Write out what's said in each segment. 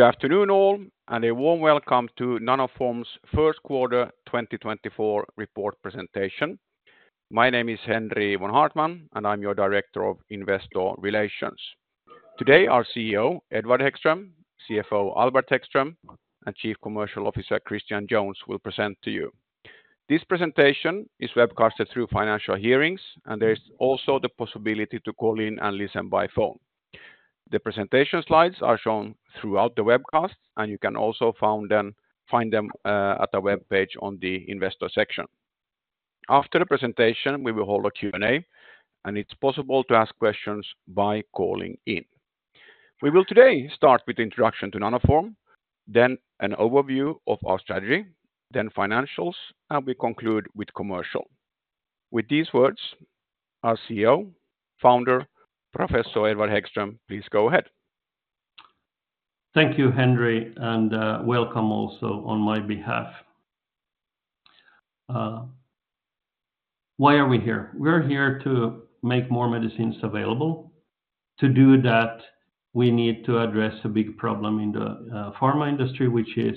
Good afternoon, all, and a warm welcome to Nanoform's first quarter 2024 report presentation. My name is Henri von Haartman, and I'm your Director of Investor Relations. Today, our CEO, Edward Hæggström, CFO Albert Hæggström, and Chief Commercial Officer Christian Jones, will present to you. This presentation is webcasted through Financial Hearings, and there is also the possibility to call in and listen by phone. The presentation slides are shown throughout the webcast, and you can also find them at the webpage on the investor section. After the presentation, we will hold a Q&A, and it's possible to ask questions by calling in. We will today start with the introduction to Nanoform, then an overview of our strategy, then financials, and we conclude with commercial. With these words, our CEO, founder, Professor Edward Hæggström, please go ahead. Thank you, Henri, and welcome also on my behalf. Why are we here? We're here to make more medicines available. To do that, we need to address a big problem in the pharma industry, which is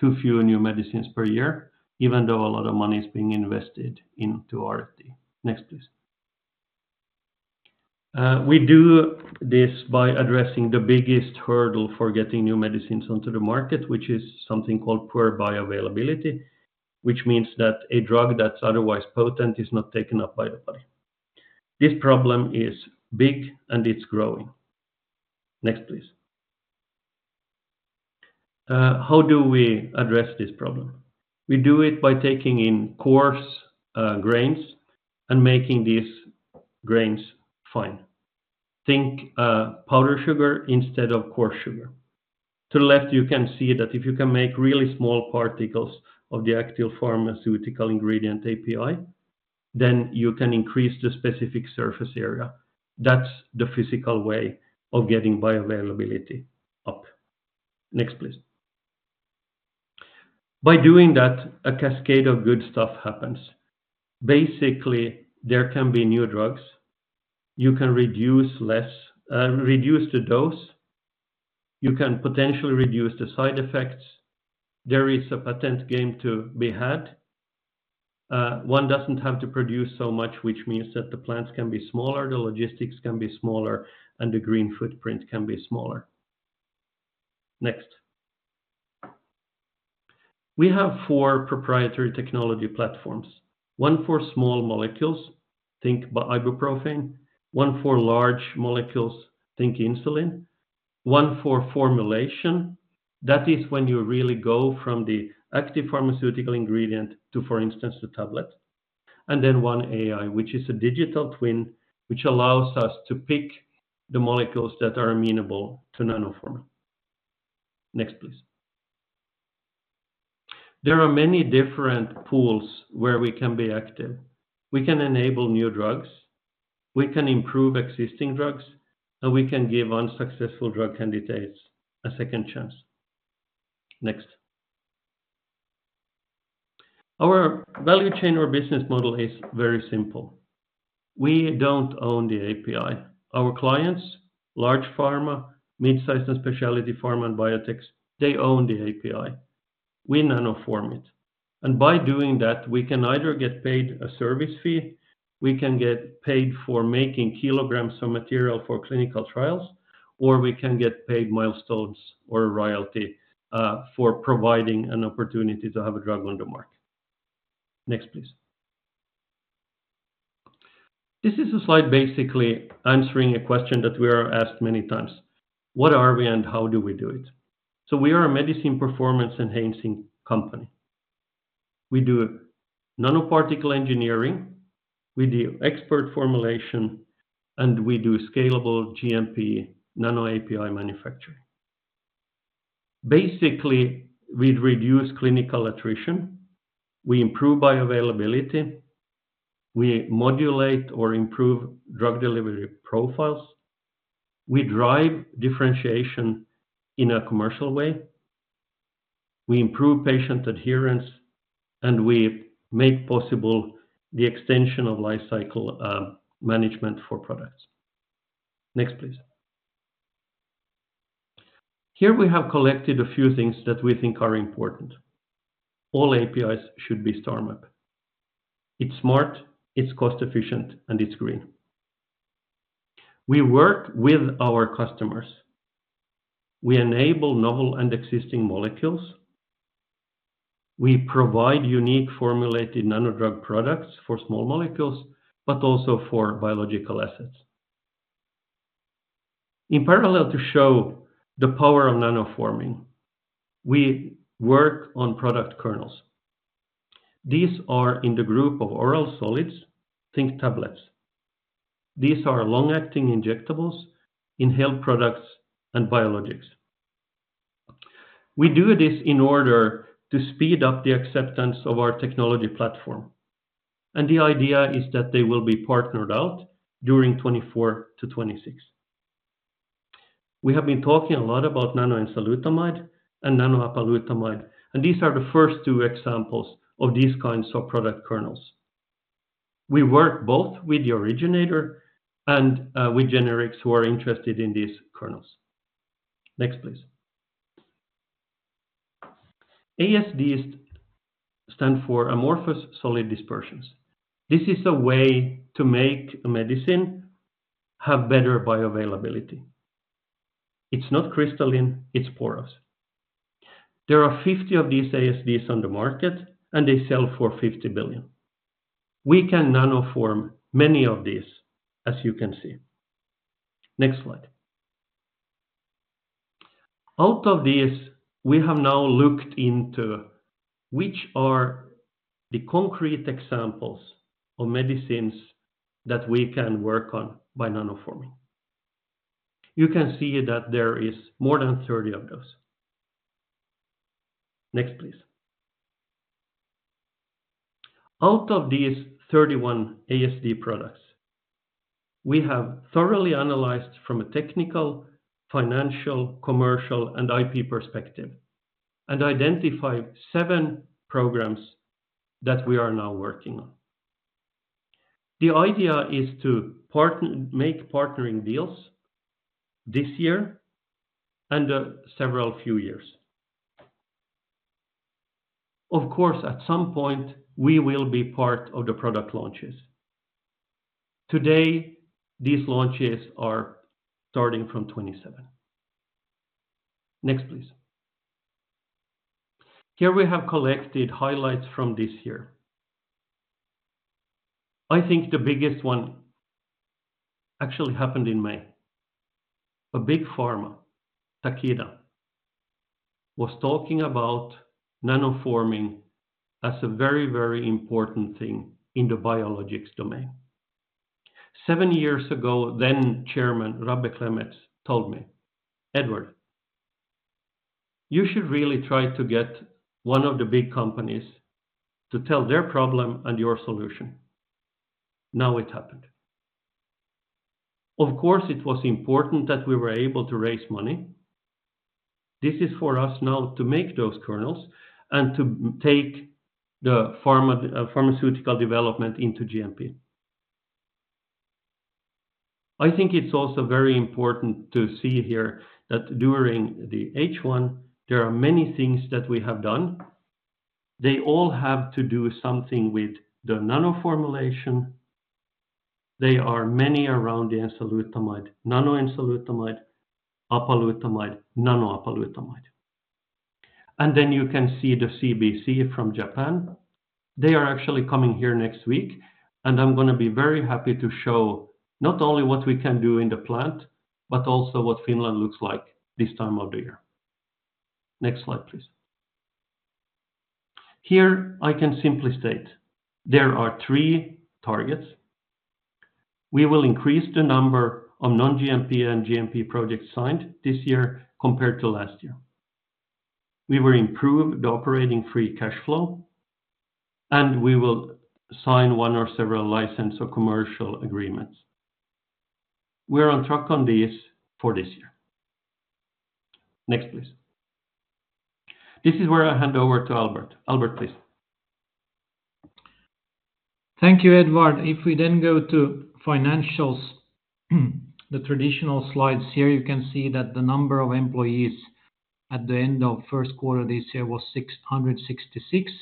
too few new medicines per year, even though a lot of money is being invested into R&D. Next, please. We do this by addressing the biggest hurdle for getting new medicines onto the market, which is something called poor bioavailability, which means that a drug that's otherwise potent is not taken up by the body. This problem is big, and it's growing. Next, please. How do we address this problem? We do it by taking in coarse grains and making these grains fine. Think powder sugar instead of coarse sugar. To the left, you can see that if you can make really small particles of the active pharmaceutical ingredient, API, then you can increase the specific surface area. That's the physical way of getting bioavailability up. Next, please. By doing that, a cascade of good stuff happens. Basically, there can be new drugs. You can reduce less, reduce the dose. You can potentially reduce the side effects. There is a patent game to be had. One doesn't have to produce so much, which means that the plants can be smaller, the logistics can be smaller, and the green footprint can be smaller. Next. We have four proprietary technology platforms. One for small molecules, think about ibuprofen. One for large molecules, think insulin. One for formulation, that is when you really go from the active pharmaceutical ingredient to, for instance, the tablet. Then one AI, which is a digital twin, which allows us to pick the molecules that are amenable to nanoform. Next, please. There are many different pools where we can be active. We can enable new drugs, we can improve existing drugs, and we can give unsuccessful drug candidates a second chance. Next. Our value chain or business model is very simple. We don't own the API. Our clients, large pharma, mid-size and specialty pharma and biotechs, they own the API. We nanoform it, and by doing that, we can either get paid a service fee, we can get paid for making kilograms of material for clinical trials, or we can get paid milestones or royalty for providing an opportunity to have a drug on the market. Next, please. This is a slide basically answering a question that we are asked many times: What are we and how do we do it? So we are a medicine performance enhancing company. We do nanoparticle engineering, we do expert formulation, and we do scalable GMP nanoAPI manufacturing. Basically, we reduce clinical attrition, we improve bioavailability, we modulate or improve drug delivery profiles, we drive differentiation in a commercial way, we improve patient adherence, and we make possible the extension of life cycle, management for products. Next, please. Here, we have collected a few things that we think are important. All APIs should be STARMAP. It's smart, it's cost-efficient, and it's green. We work with our customers. We enable novel and existing molecules. We provide unique formulated nano-drug products for small molecules, but also for biological assets. In parallel, to show the power of nanoforming, we work on product kernels. These are in the group of oral solids, think tablets. These are long-acting injectables, inhaled products, and biologics. We do this in order to speed up the acceptance of our technology platform, and the idea is that they will be partnered out during 2024-2026. We have been talking a lot about nanoenzalutamide and nanoapalutamide, and these are the first two examples of these kinds of product kernels. We work both with the originator and with generics who are interested in these kernels. Next, please. ASDs stand for amorphous solid dispersions. This is a way to make a medicine have better bioavailability. It's not crystalline, it's porous. There are 50 of these ASDs on the market, and they sell for 50 billion. We can nanoform many of these, as you can see. Next slide. Out of these, we have now looked into which are the concrete examples of medicines that we can work on by nanoforming. You can see that there is more than 30 of those. Next, please. Out of these 31 ASD products, we have thoroughly analyzed from a technical, financial, commercial, and IP perspective, and identified seven programs that we are now working on. The idea is to partner- make partnering deals this year and several few years. Of course, at some point, we will be part of the product launches. Today, these launches are starting from 2027. Next, please. Here we have collected highlights from this year. I think the biggest one actually happened in May. A big pharma, Takeda, was talking about nanoforming as a very, very important thing in the biologics domain. Seven years ago, then Chairman Rabbe Klemets told me, "Eduard, you should really try to get one of the big companies to tell their problem and your solution." Now it happened. Of course, it was important that we were able to raise money. This is for us now to make those kernels and to take the pharma, pharmaceutical development into GMP. I think it's also very important to see here that during the H1, there are many things that we have done. They all have to do something with the nanoformulation. They are many around the enzalutamide, nanoenzalutamide, apalutamide, nanoapalutamide. And then you can see the CBC from Japan. They are actually coming here next week, and I'm gonna be very happy to show not only what we can do in the plant, but also what Finland looks like this time of the year. Next slide, please. Here, I can simply state there are three targets. We will increase the number of non-GMP and GMP projects signed this year compared to last year. We will improve the operating free cash flow, and we will sign one or several license or commercial agreements. We're on track on this for this year. Next, please. This is where I hand over to Albert. Albert, please. Thank you, Edward. If we then go to financials, the traditional slides here, you can see that the number of employees at the end of first quarter this year was 666,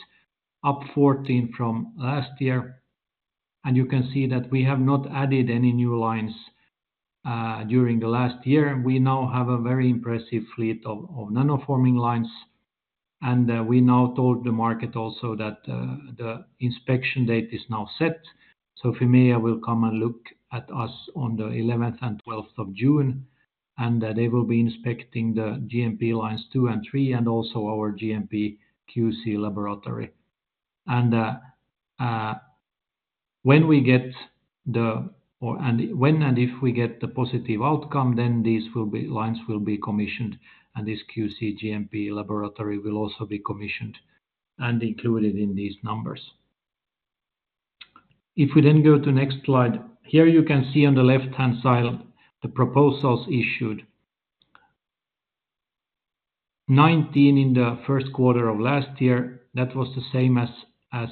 up 14 from last year. And you can see that we have not added any new lines during the last year. We now have a very impressive fleet of nanoforming lines, and we now told the market also that the inspection date is now set. So FIMEA will come and look at us on the eleventh and twelfth of June, and they will be inspecting the GMP lines two and three, and also our GMP QC laboratory. When and if we get the positive outcome, then these lines will be commissioned, and this QC GMP laboratory will also be commissioned and included in these numbers. If we then go to next slide, here you can see on the left-hand side the proposals issued. 19 in the first quarter of last year, that was the same as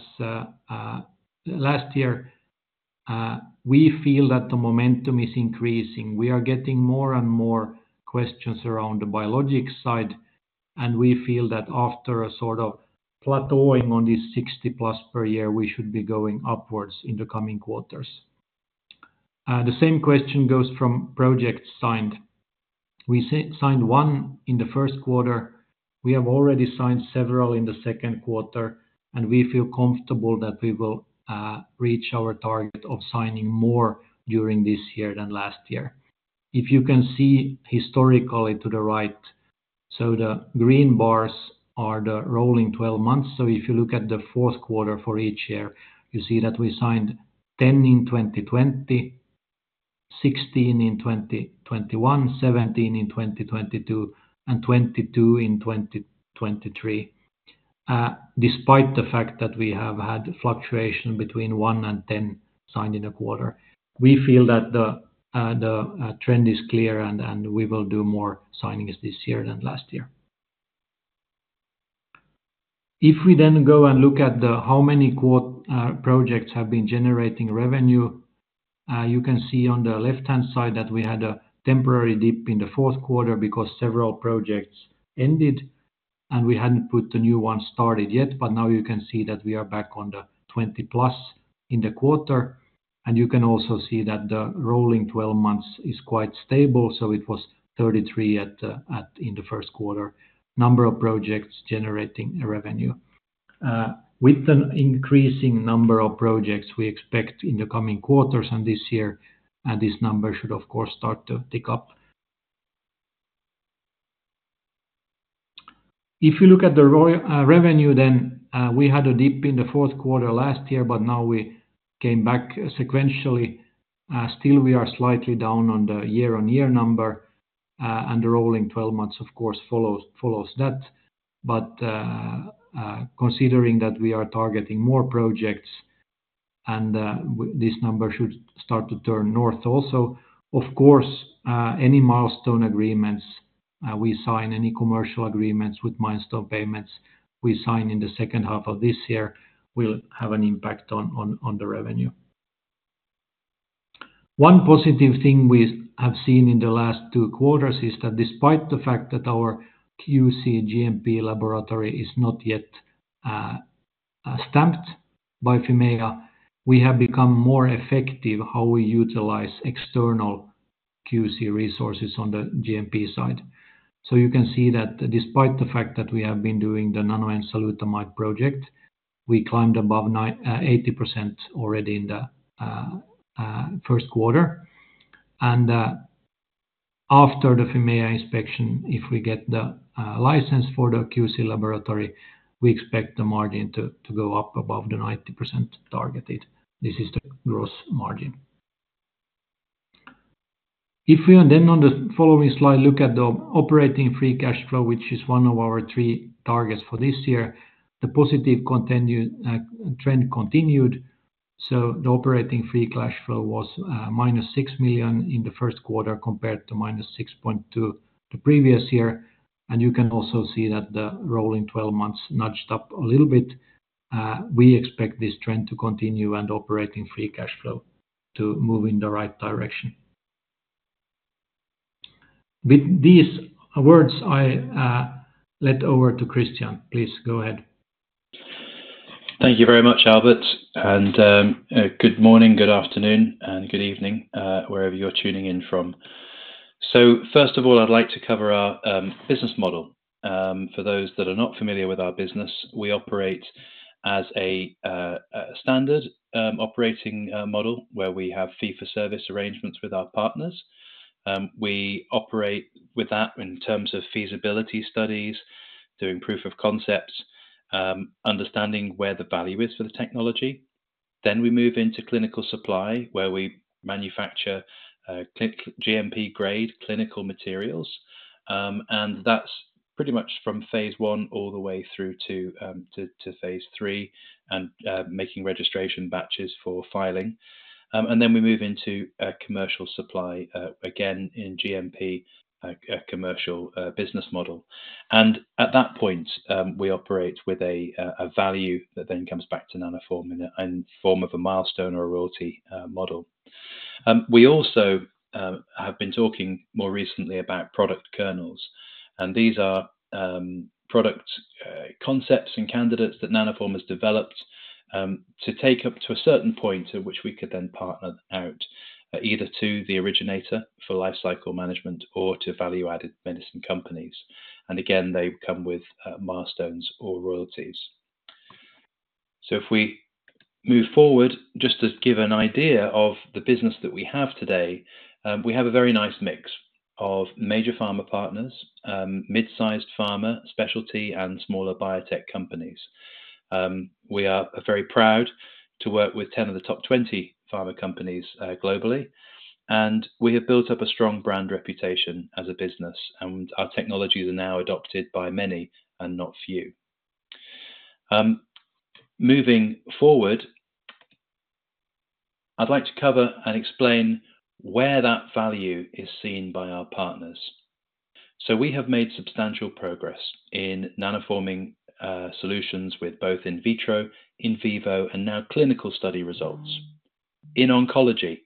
last year. We feel that the momentum is increasing. We are getting more and more questions around the biologics side, and we feel that after a sort of plateauing on this 60+ per year, we should be going upwards in the coming quarters. The same question goes from projects signed. We signed 1 in the first quarter. We have already signed several in the second quarter, and we feel comfortable that we will reach our target of signing more during this year than last year. If you can see historically to the right, so the green bars are the rolling 12 months. So if you look at the fourth quarter for each year, you see that we signed 10 in 2020, 16 in 2021, 17 in 2022, and 22 in 2023. Despite the fact that we have had fluctuation between one and 10 signed in a quarter, we feel that the trend is clear and we will do more signings this year than last year. If we then go and look at how many quote projects have been generating revenue, you can see on the left-hand side that we had a temporary dip in the fourth quarter because several projects ended, and we hadn't put the new ones started yet, but now you can see that we are back on the 20+ in the quarter. You can also see that the rolling 12 months is quite stable, so it was 33 at the in the first quarter, number of projects generating a revenue. With an increasing number of projects we expect in the coming quarters and this year, and this number should, of course, start to tick up. If you look at the royalty revenue, then we had a dip in the fourth quarter last year, but now we came back sequentially. Still, we are slightly down on the year-on-year number, and the rolling 12 months, of course, follows that. But, considering that we are targeting more projects and, this number should start to turn north also, of course, any milestone agreements we sign, any commercial agreements with milestone payments we sign in the second half of this year will have an impact on the revenue. One positive thing we have seen in the last two quarters is that despite the fact that our QC GMP laboratory is not yet stamped by FIMEA, we have become more effective how we utilize external QC resources on the GMP side. So you can see that despite the fact that we have been doing the nanoenzalutamide project, we climbed above 98% already in the first quarter. After the FIMEA inspection, if we get the license for the QC laboratory, we expect the margin to go up above the 90% targeted. This is the gross margin. If we then, on the following slide, look at the operating free cash flow, which is one of our three targets for this year, the positive trend continued, so the operating free cash flow was -6 million in the first quarter, compared to -6.2 million the previous year, and you can also see that the rolling 12 months nudged up a little bit. We expect this trend to continue and operating free cash flow to move in the right direction. With these words, I hand over to Christian. Please go ahead. Thank you very much, Albert, and good morning, good afternoon, and good evening, wherever you're tuning in from. So first of all, I'd like to cover our business model. For those that are not familiar with our business, we operate as a standard operating model, where we have fee-for-service arrangements with our partners. We operate with that in terms of feasibility studies, doing proof of concepts, understanding where the value is for the technology. Then we move into clinical supply, where we manufacture GMP grade clinical materials, and that's pretty much from phase one all the way through to phase three, and making registration batches for filing. And then we move into commercial supply, again, in GMP, a commercial business model. At that point, we operate with a value that then comes back to Nanoform in a form of a milestone or a royalty model. We also have been talking more recently about product kernels, and these are product concepts and candidates that Nanoform has developed to take up to a certain point at which we could then partner out, either to the originator for lifecycle management or to value-added medicine companies. Again, they come with milestones or royalties. So if we move forward, just to give an idea of the business that we have today, we have a very nice mix of major pharma partners, mid-sized pharma, specialty, and smaller biotech companies. We are very proud to work with 10 of the top 20 pharma companies globally, and we have built up a strong brand reputation as a business, and our technologies are now adopted by many and not few. Moving forward, I'd like to cover and explain where that value is seen by our partners. So we have made substantial progress in nanoforming solutions with both in vitro, in vivo, and now clinical study results. In oncology,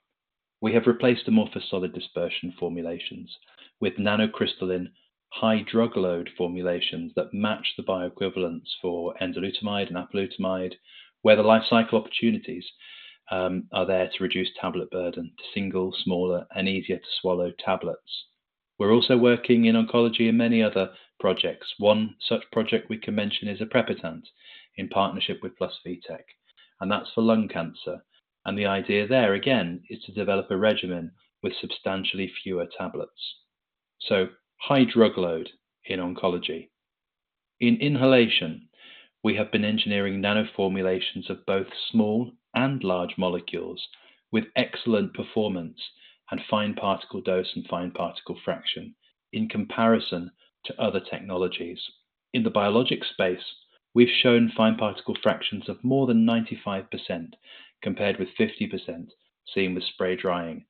we have replaced the amorphous solid dispersion formulations with nanocrystalline, high drug load formulations that match the bioequivalence for enzalutamide and apalutamide, where the lifecycle opportunities are there to reduce tablet burden to single, smaller, and easier-to-swallow tablets. We're also working in oncology in many other projects. One such project we can mention is aprepitant in partnership with PlusVitech, and that's for lung cancer. And the idea there, again, is to develop a regimen with substantially fewer tablets. So high drug load in oncology. In inhalation, we have been engineering nanoformulations of both small and large molecules with excellent performance and fine particle dose and fine particle fraction in comparison to other technologies. In the biologic space, we've shown fine particle fractions of more than 95%, compared with 50% seen with spray drying.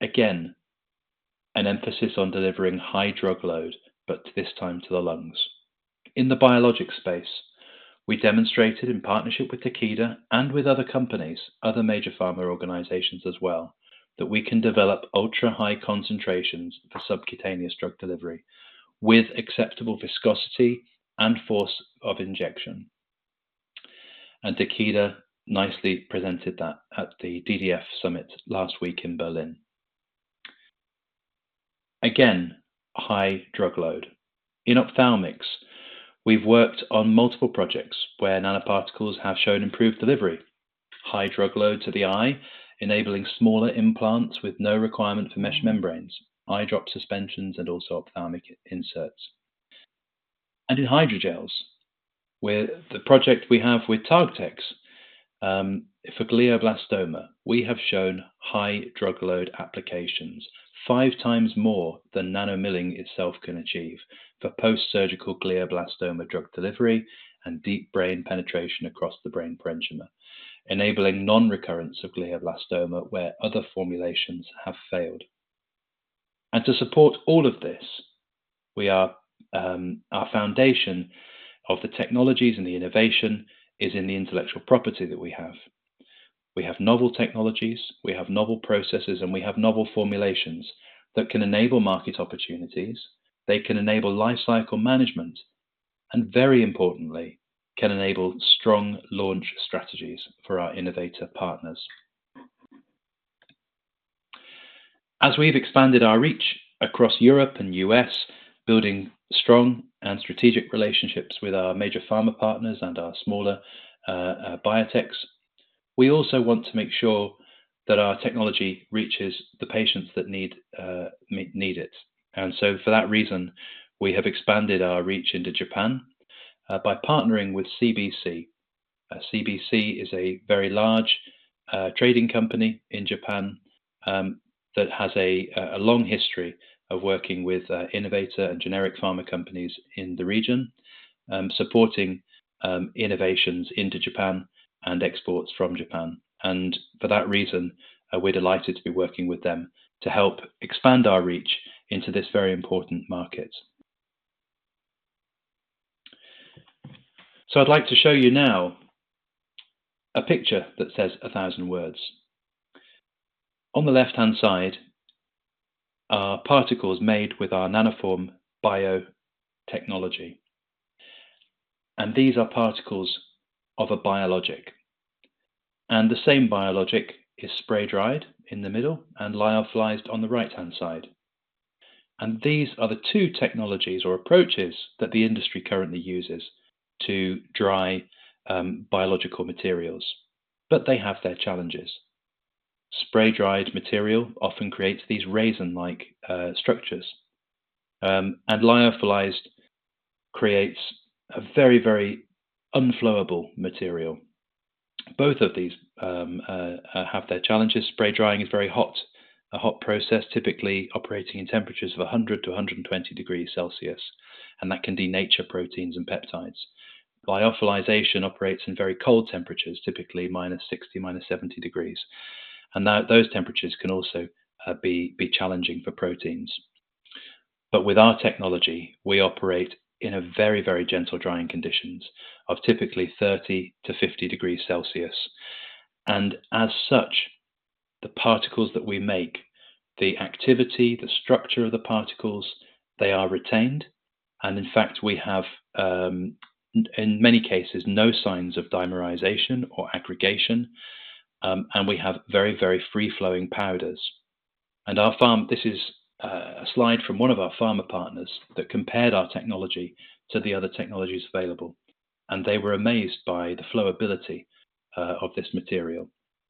Again, an emphasis on delivering high drug load, but this time to the lungs. In the biologic space, we demonstrated in partnership with Takeda and with other companies, other major pharma organizations as well, that we can develop ultra-high concentrations for subcutaneous drug delivery with acceptable viscosity and force of injection. And Takeda nicely presented that at the DDF summit last week in Berlin. Again, high drug load. In ophthalmics, we've worked on multiple projects where nanoparticles have shown improved delivery, high drug load to the eye, enabling smaller implants with no requirement for mesh membranes, eye drop suspensions, and also ophthalmic inserts. In hydrogels, where the project we have with TargTex, for glioblastoma, we have shown high drug load applications 5x more than nanomilling itself can achieve for post-surgical glioblastoma drug delivery and deep brain penetration across the brain parenchyma, enabling non-recurrence of glioblastoma where other formulations have failed. To support all of this, our foundation of the technologies and the innovation is in the intellectual property that we have. We have novel technologies, we have novel processes, and we have novel formulations that can enable market opportunities, they can enable life cycle management, and very importantly, can enable strong launch strategies for our innovator partners. As we've expanded our reach across Europe and U.S., building strong and strategic relationships with our major pharma partners and our smaller biotechs, we also want to make sure that our technology reaches the patients that need it. And so for that reason, we have expanded our reach into Japan by partnering with CBC. CBC is a very large trading company in Japan that has a long history of working with innovator and generic pharma companies in the region supporting innovations into Japan and exports from Japan. And for that reason, we're delighted to be working with them to help expand our reach into this very important market. So I'd like to show you now a picture that says a thousand words. On the left-hand side are particles made with our Nanoform bio technology, and these are particles of a biologic, and the same biologic is spray dried in the middle and lyophilized on the right-hand side. These are the two technologies or approaches that the industry currently uses to dry biological materials, but they have their challenges. Spray dried material often creates these raisin-like structures, and lyophilized creates a very, very unflowable material. Both of these have their challenges. Spray drying is very hot, a hot process, typically operating in temperatures of 100-120 degrees Celsius, and that can denature proteins and peptides. Lyophilization operates in very cold temperatures, typically -60, -70 degrees, and those temperatures can also be challenging for proteins. But with our technology, we operate in a very, very gentle drying conditions of typically 30-50 degrees Celsius, and as such, the particles that we make, the activity, the structure of the particles, they are retained, and in fact, we have, in many cases, no signs of dimerization or aggregation, and we have very, very free-flowing powders. And this is a slide from one of our pharma partners that compared our technology to the other technologies available, and they were amazed by the flowability of this material.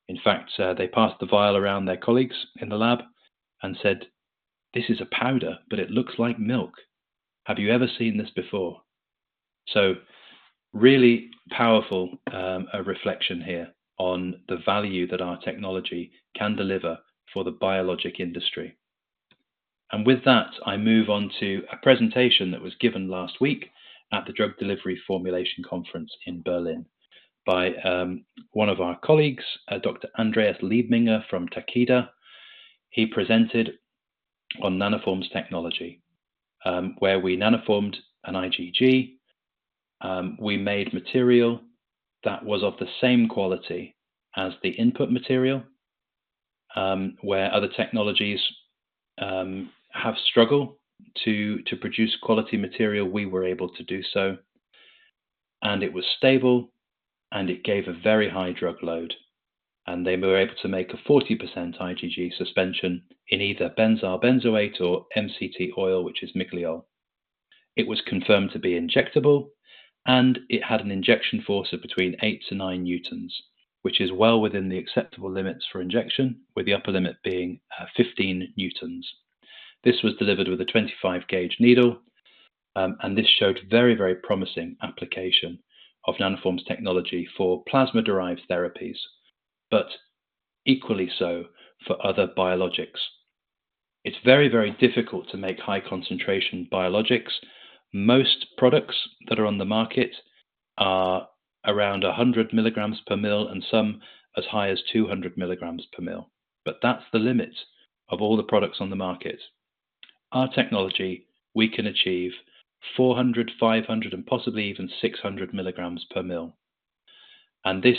In fact, they passed the vial around their colleagues in the lab and said, "This is a powder, but it looks like milk. Have you ever seen this before?" So really powerful reflection here on the value that our technology can deliver for the biologic industry. With that, I move on to a presentation that was given last week at the Drug Delivery and Formulation Conference in Berlin by one of our colleagues, Dr. Andreas Liebminger from Takeda. He presented on Nanoform's technology, where we nanoformed an IgG. We made material that was of the same quality as the input material, where other technologies have struggled to produce quality material; we were able to do so, and it was stable, and it gave a very high drug load. They were able to make a 40% IgG suspension in either benzyl benzoate or MCT oil, which is Miglyol. It was confirmed to be injectable, and it had an injection force of between 8-9 newtons, which is well within the acceptable limits for injection, with the upper limit being 15 newtons. This was delivered with a 25-gauge needle, and this showed very, very promising application of Nanoform's technology for plasma-derived therapies, but equally so for other biologics. It's very, very difficult to make high concentration biologics. Most products that are on the market are around 100 mg per mil and some as high as 200 mg per mil. But that's the limit of all the products on the market. Our technology, we can achieve 400 mg per mil, 500 mg per mil, and possibly even 600 mg per mil. And this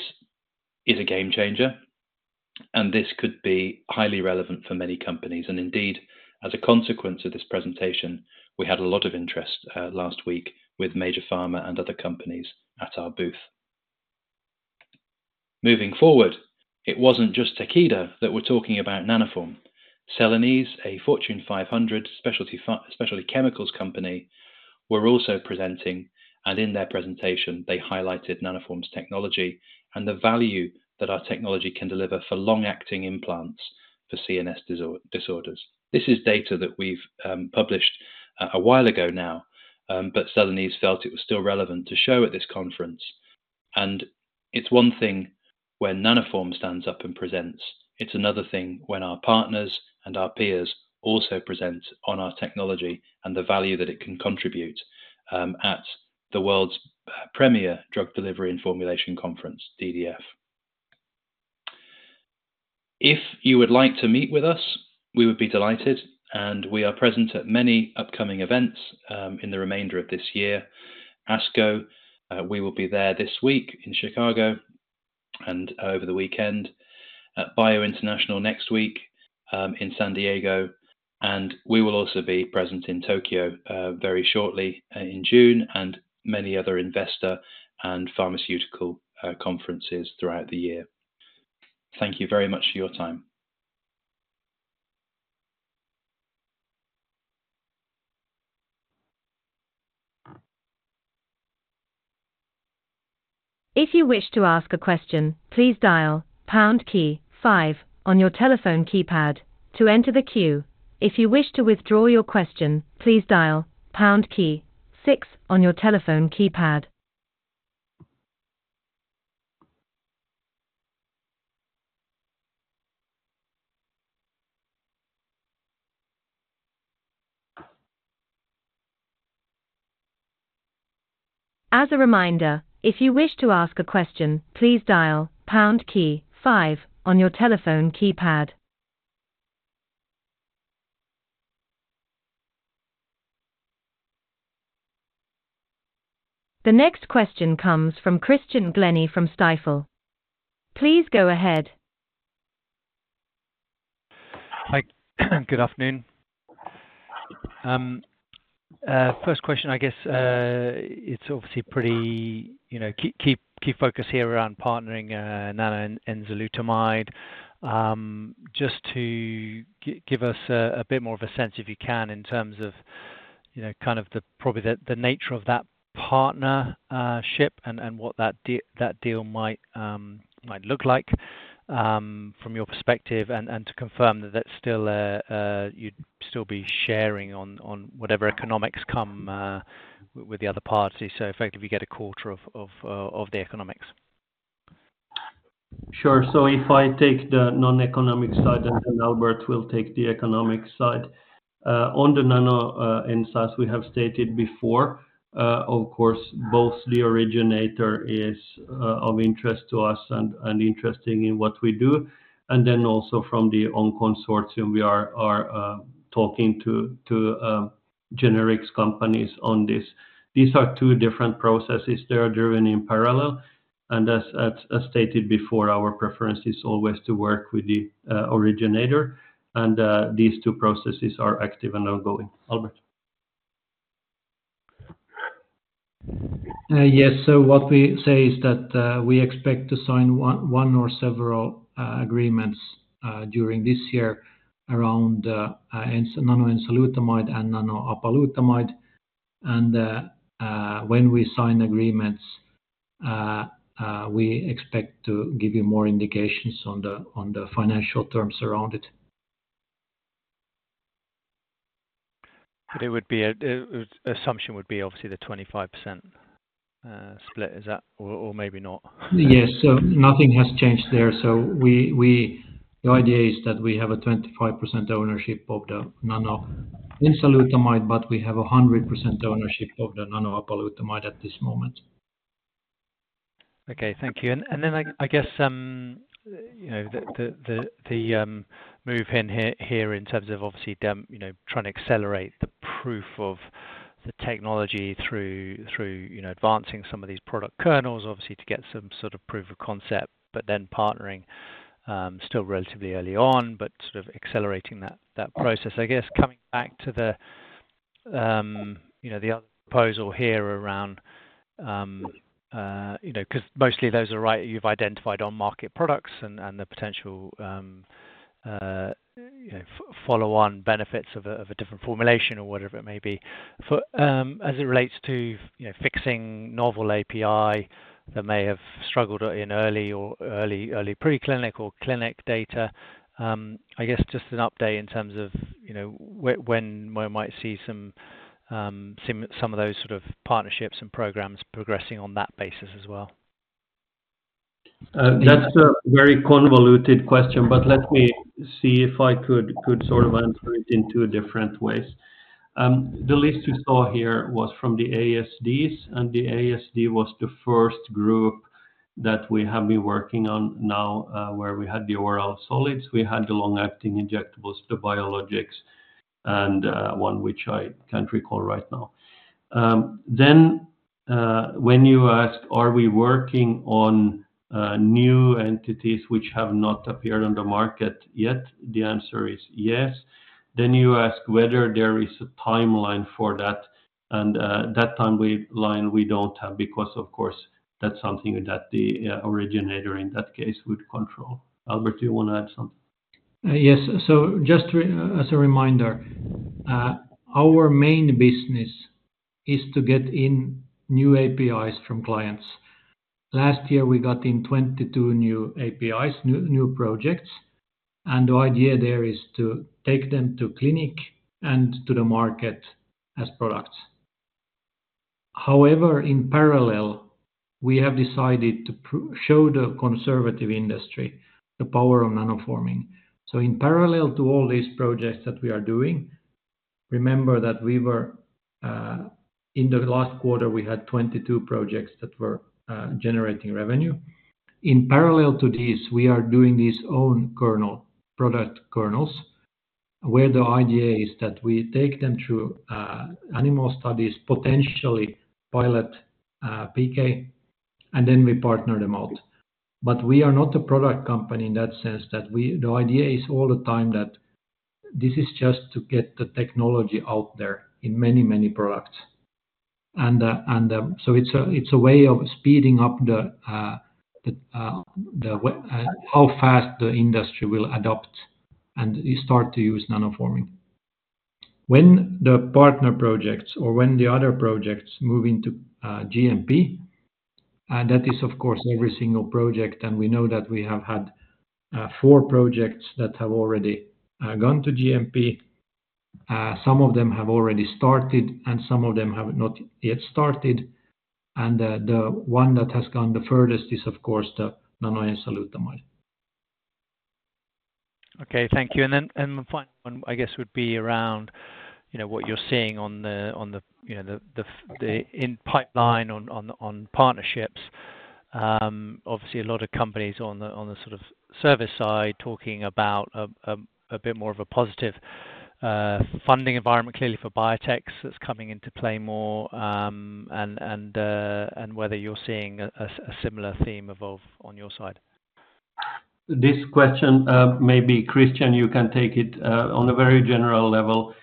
is a game changer, and this could be highly relevant for many companies. And indeed, as a consequence of this presentation, we had a lot of interest last week with major pharma and other companies at our booth. Moving forward, it wasn't just Takeda that we're talking about Nanoform. Celanese, a Fortune 500 specialty chemicals company, were also presenting, and in their presentation, they highlighted Nanoform's technology and the value that our technology can deliver for long-acting implants for CNS disorders. This is data that we've published a while ago now, but Celanese felt it was still relevant to show at this conference. It's one thing when Nanoform stands up and presents, it's another thing when our partners and our peers also present on our technology and the value that it can contribute at the world's premier Drug Delivery and Formulation conference, DDF. If you would like to meet with us, we would be delighted, and we are present at many upcoming events in the remainder of this year. ASCO, we will be there this week in Chicago and over the weekend. At BIO International next week, in San Diego, and we will also be present in Tokyo, very shortly, in June, and many other investor and pharmaceutical, conferences throughout the year. Thank you very much for your time. If you wish to ask a question, please dial pound key five on your telephone keypad to enter the queue. If you wish to withdraw your question, please dial pound key six on your telephone keypad. As a reminder, if you wish to ask a question, please dial pound key five on your telephone keypad. The next question comes from Christian Glennie from Stifel. Please go ahead. Hi, good afternoon. First question, I guess, it's obviously pretty, you know, key, key, key focus here around partnering nanoenzalutamide. Just to give us a bit more of a sense, if you can, in terms of, you know, kind of probably the nature of that partnership and what that deal might look like from your perspective, and to confirm that that's still you'd still be sharing on whatever economics come with the other party, so effectively, you get a quarter of the economics. Sure. So if I take the non-economic side, and then Albert will take the economic side. On the nanoenzalutamide, we have stated before, of course, both the originator is of interest to us and interesting in what we do, and then also from the ONConcept consortium, we are talking to generics companies on this. These are two different processes. They are driven in parallel, and as stated before, our preference is always to work with the originator, and these two processes are active and ongoing. Albert? Yes. So what we say is that we expect to sign one or several agreements during this year around nanoenzalutamide and nanoapalutamide. When we sign agreements, we expect to give you more indications on the financial terms around it. But it would be an assumption would be obviously the 25% split. Is that or maybe not? Yes. So nothing has changed there. So the idea is that we have a 25% ownership of the nanoenzalutamide, but we have a 100% ownership of the nanoapalutamide at this moment. Okay, thank you. And then, I guess, you know, the move in here in terms of obviously demo you know, trying to accelerate the proof of the technology through you know, advancing some of these product kernels, obviously, to get some sort of proof of concept, but then partnering, still relatively early on, but sort of accelerating that process. I guess coming back to the you know, the other proposal here around you know, 'cause mostly those are right, you've identified on market products and the potential you know, follow-on benefits of a different formulation or whatever it may be. For, as it relates to, you know, fixing novel API that may have struggled in early or early preclinical or clinical data, I guess just an update in terms of, you know, when we might see some, some of those sort of partnerships and programs progressing on that basis as well? That's a very convoluted question, but let me see if I could sort of answer it in two different ways. The list you saw here was from the ASDs, and the ASD was the first group that we have been working on now, where we had the oral solids, we had the long-acting injectables, the biologics, and one which I can't recall right now. Then, when you ask, are we working on new entities which have not appeared on the market yet? The answer is yes. Then you ask whether there is a timeline for that, and that timeline we don't have, because of course, that's something that the originator in that case would control. Albert, do you wanna add something? Yes. So just as a reminder, our main business is to get in new APIs from clients. Last year we got in 22 new APIs, new, new projects, and the idea there is to take them to clinic and to the market as products. However, in parallel, we have decided to show the conservative industry the power of nanoforming. So in parallel to all these projects that we are doing, remember that we were, in the last quarter, we had 22 projects that were, generating revenue. In parallel to this, we are doing these own kernel, product kernels, where the idea is that we take them through, animal studies, potentially pilot, PK, and then we partner them out. But we are not a product company in that sense, that we, the idea is all the time that this is just to get the technology out there in many, many products. And so it's a way of speeding up the way how fast the industry will adopt, and start to use nanoforming. When the partner projects or when the other projects move into GMP, and that is, of course, every single project, and we know that we have had four projects that have already gone to GMP. Some of them have already started, and some of them have not yet started, and the one that has gone the furthest is, of course, the nanoenzalutamide. Okay, thank you. And then the final one, I guess, would be around, you know, what you're seeing on the, you know, the in pipeline, on partnerships. Obviously, a lot of companies on the sort of service side, talking about a bit more of a positive funding environment, clearly for biotechs that's coming into play more, and whether you're seeing a similar theme evolve on your side. This question, maybe, Christian, you can take it on a very general level.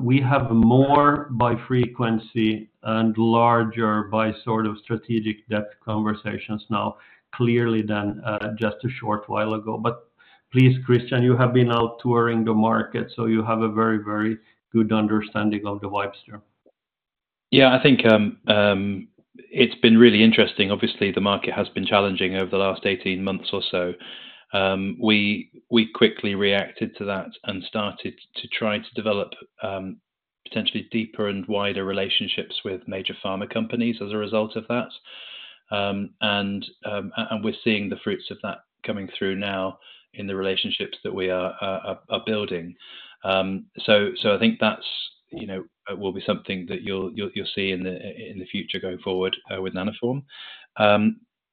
We have more by frequency and larger by sort of strategic depth conversations now, clearly than just a short while ago. But please, Christian, you have been out touring the market, so you have a very, very good understanding of the vibes there. Yeah, I think it's been really interesting. Obviously, the market has been challenging over the last 18 months or so. We quickly reacted to that and started to try to develop potentially deeper and wider relationships with major pharma companies as a result of that. We're seeing the fruits of that coming through now in the relationships that we are building. So I think that's, you know, will be something that you'll see in the future going forward with Nanoform.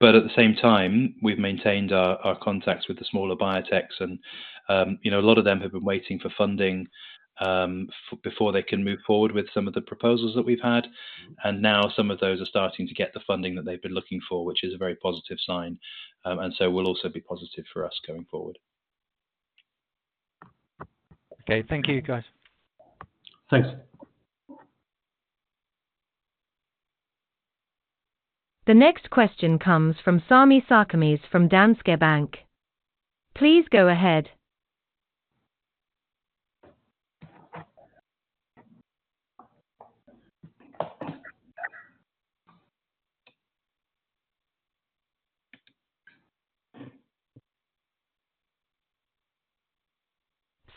But at the same time, we've maintained our contacts with the smaller biotechs and, you know, a lot of them have been waiting for funding before they can move forward with some of the proposals that we've had. Now some of those are starting to get the funding that they've been looking for, which is a very positive sign, and so will also be positive for us going forward. Okay. Thank you, guys. Thanks. The next question comes from Sami Sarkamies from Danske Bank. Please go ahead.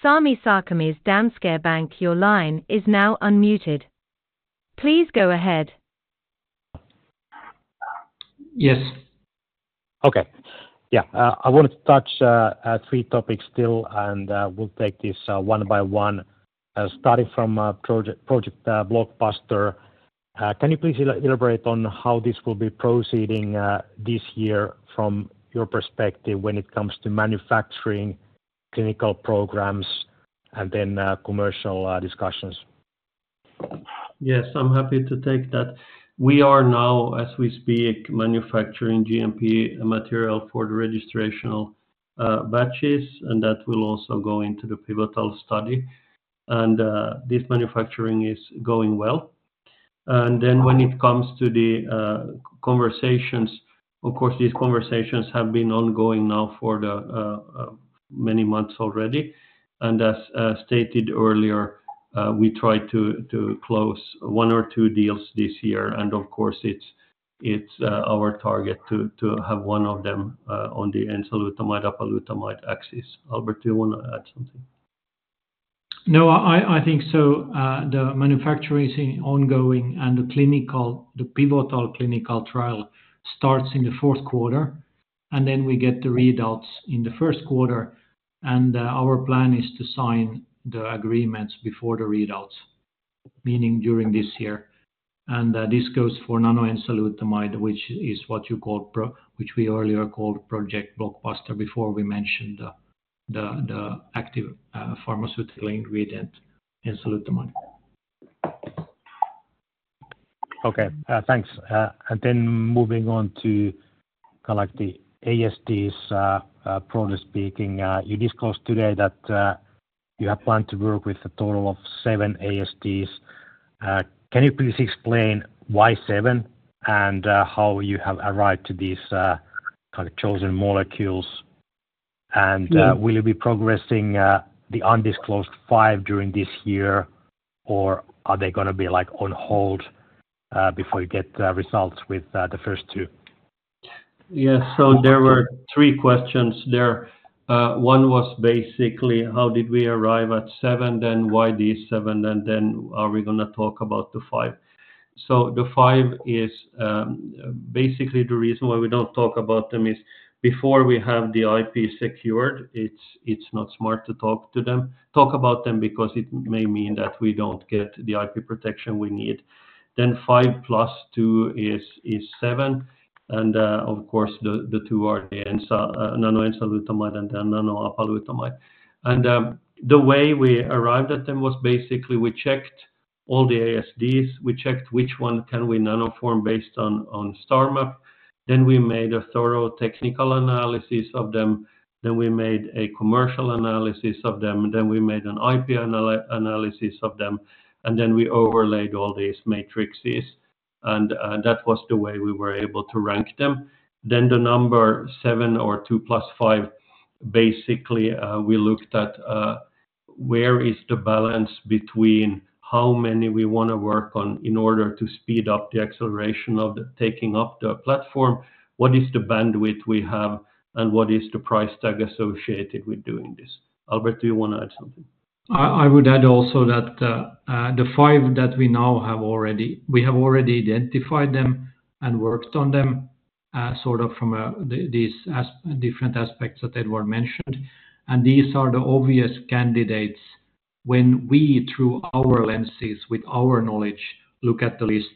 Sami Sarkamies, Danske Bank, your line is now unmuted. Please go ahead. Yes. Okay. Yeah, I wanted to touch three topics still, and we'll take this one by one, starting from Project Blockbuster. Can you please elaborate on how this will be proceeding this year from your perspective when it comes to manufacturing, clinical programs, and then commercial discussions? Yes, I'm happy to take that. We are now, as we speak, manufacturing GMP material for the registrational batches, and that will also go into the pivotal study. And this manufacturing is going well. And then when it comes to the conversations, of course, these conversations have been ongoing now for the many months already, and as stated earlier, we try to close one or two deals this year. And of course, it's our target to have one of them on the enzalutamide apalutamide axis. Albert, do you wanna add something? No, I think so, the manufacturing is ongoing and the pivotal clinical trial starts in the fourth quarter, and then we get the readouts in the first quarter, and our plan is to sign the agreements before the readouts, meaning during this year. And this goes for nanoenzalutamide, which we earlier called Project Blockbuster before we mentioned the active pharmaceutical ingredient, enzalutamide. Okay, thanks. And then moving on to kind of like the ASDs, broadly speaking, you disclosed today that you have planned to work with a total of seven ASDs. Can you please explain why seven, and how you have arrived to these kind of chosen molecules? And will you be progressing the undisclosed five during this year, or are they gonna be, like, on hold before you get results with the first two? Yes. So there were three questions there. One was basically, how did we arrive at seven, then why these seven, and then are we gonna talk about the five? So the five is, basically, the reason why we don't talk about them is before we have the IP secured, it's, it's not smart to talk about them, because it may mean that we don't get the IP protection we need. Then five plus two is, is seven, and, of course, the, the two are the nanoenzalutamide and the nanoapalutamide. The way we arrived at them was basically we checked all the ASDs, we checked which one can we nanoform based on, on STARMAP, then we made a thorough technical analysis of them, then we made a commercial analysis of them, and then we made an IP analysis of them, and then we overlaid all these matrices, and that was the way we were able to rank them. Then the number seven or two plus five, basically, we looked at where is the balance between how many we wanna work on in order to speed up the acceleration of the taking up the platform? What is the bandwidth we have, and what is the price tag associated with doing this? Albert, do you wanna add something? I would add also that the five that we now have already, we have already identified them and worked on them, sort of from the different aspects that Edward mentioned, and these are the obvious candidates when we, through our lenses, with our knowledge, look at the list.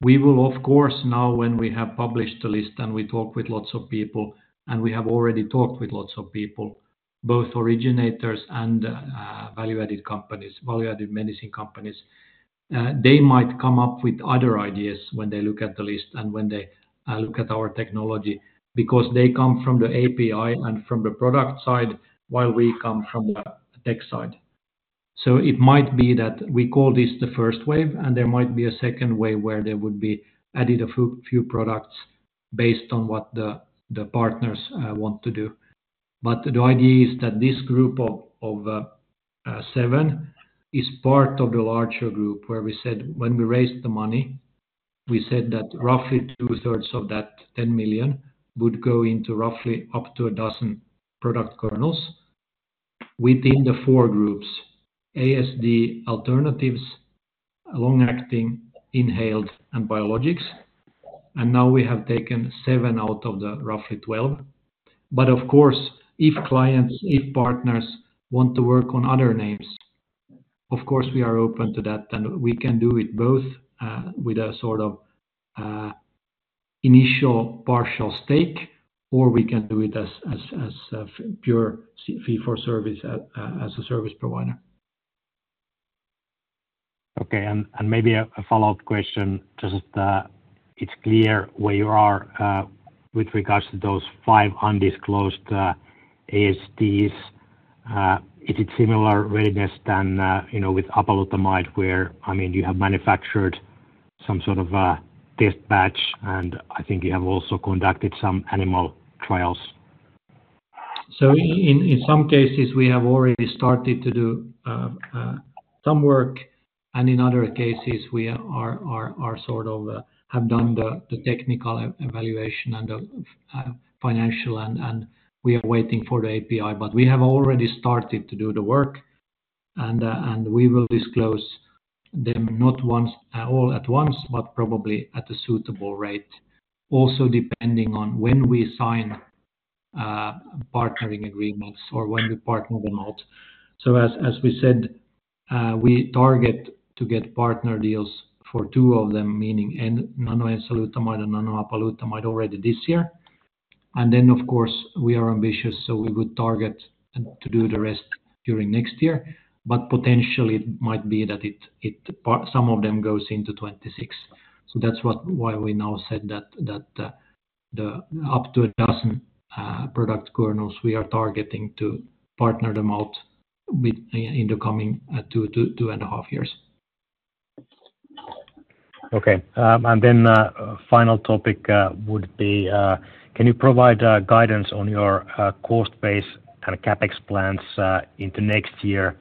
We will, of course, now, when we have published the list and we talk with lots of people, and we have already talked with lots of people, both originators and value-added companies, value-added medicine companies, they might come up with other ideas when they look at the list and when they look at our technology, because they come from the API and from the product side, while we come from the tech side. So it might be that we call this the first wave, and there might be a second wave where there would be added a few products based on what the partners want to do. But the idea is that this group of seven is part of the larger group, where we said when we raised the money, we said that roughly 2/3 of that 10 million would go into roughly up to 12 product kernels within the four groups: ASD alternatives, long-acting, inhaled, and biologics. And now we have taken seven out of the roughly 12. But of course, if clients, if partners want to work on other names, of course, we are open to that, and we can do it both with a sort of initial partial stake, or we can do it as a pure fee for service, as a service provider. Okay, maybe a follow-up question, just, it's clear where you are with regards to those five undisclosed ASDs. Is it similar readiness than, you know, with apalutamide, where, I mean, you have manufactured some sort of a test batch, and I think you have also conducted some animal trials? So in some cases, we have already started to do some work, and in other cases we are sort of have done the technical evaluation and the financial and we are waiting for the API. But we have already started to do the work, and we will disclose them, not once, all at once, but probably at a suitable rate. Also, depending on when we sign partnering agreements or when we partner them out. So as we said, we target to get partner deals for two of them, meaning nanoenzalutamide and nanoapalutamide already this year. And then, of course, we are ambitious, so we would target to do the rest during next year, but potentially it might be that it some of them goes into 2026. So that's why we now said that the up to a dozen product kernels we are targeting to partner them out with in the coming two and a half years. Okay. And then, final topic, would be: Can you provide guidance on your cost base and CapEx plans into next year?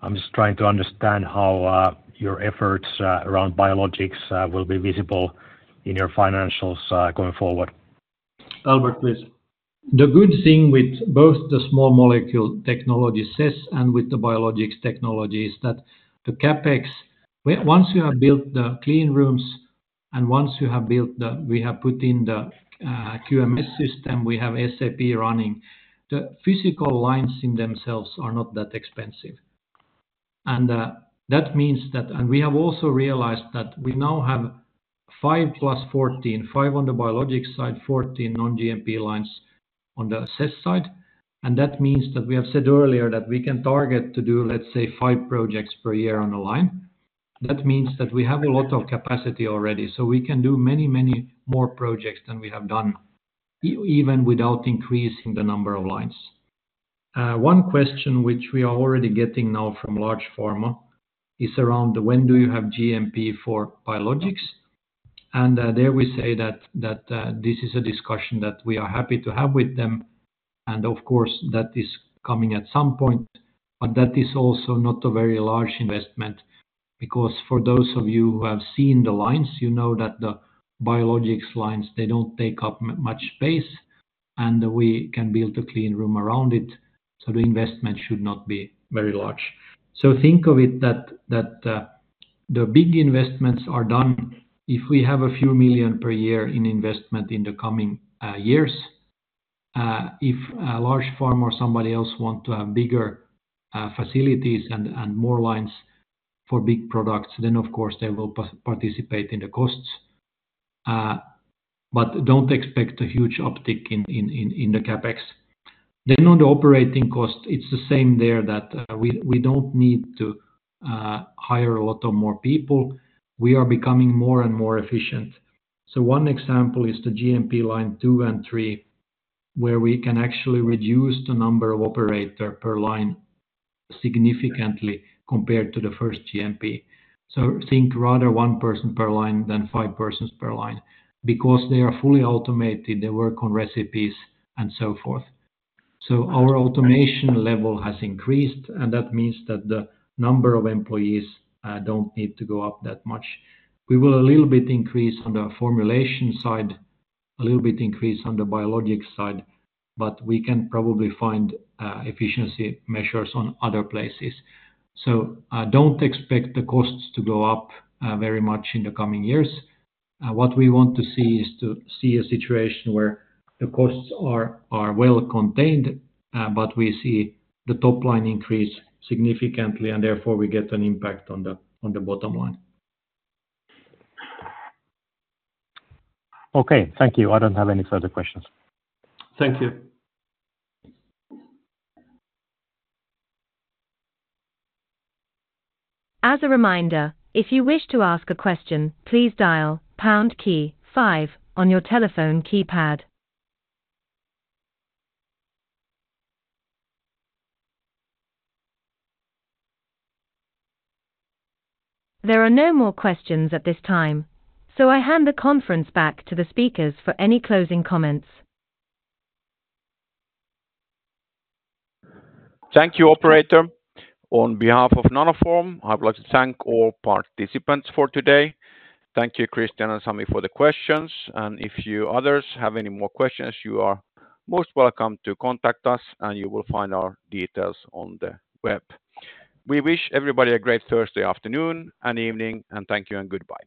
I'm just trying to understand how your efforts around biologics will be visible in your financials going forward. Albert, please. The good thing with both the small molecule technology CESS and with the biologics technology is that the CapEx, once you have built the clean rooms and once you have built the, we have put in the QMS system, we have SAP running, the physical lines in themselves are not that expensive. And that means that. And we have also realized that we now have 5 + 14, 5 on the biologics side, 14 non-GMP lines on the CESS side. And that means that we have said earlier that we can target to do, let's say, 5 projects per year on a line. That means that we have a lot of capacity already, so we can do many, many more projects than we have done, even without increasing the number of lines. One question which we are already getting now from large pharma is around when do you have GMP for biologics? And there we say that this is a discussion that we are happy to have with them, and of course, that is coming at some point, but that is also not a very large investment, because for those of you who have seen the lines, you know that the biologics lines, they don't take up much space, and we can build a clean room around it, so the investment should not be very large. So think of it that the big investments are done. If we have a few million per year in investment in the coming years, if a large pharma or somebody else want to have bigger facilities and more lines for big products, then of course, they will participate in the costs. But don't expect a huge uptick in the CapEx. Then on the operating cost, it's the same there that we don't need to hire a lot of more people. We are becoming more and more efficient. So one example is the GMP line 2 and 3, where we can actually reduce the number of operator per line significantly compared to the first GMP. So think rather one person per line than five persons per line, because they are fully automated, they work on recipes and so forth. So our automation level has increased, and that means that the number of employees don't need to go up that much. We will a little bit increase on the formulation side, a little bit increase on the biologics side, but we can probably find efficiency measures on other places. So, don't expect the costs to go up very much in the coming years. What we want to see is to see a situation where the costs are well contained, but we see the top line increase significantly, and therefore, we get an impact on the bottom line. Okay, thank you. I don't have any further questions. Thank you. As a reminder, if you wish to ask a question, please dial pound key five on your telephone keypad. There are no more questions at this time, so I hand the conference back to the speakers for any closing comments. Thank you, operator. On behalf of Nanoform, I would like to thank all participants for today. Thank you, Christian and Sami, for the questions, and if you others have any more questions, you are most welcome to contact us, and you will find our details on the web. We wish everybody a great Thursday afternoon and evening, and thank you and goodbye.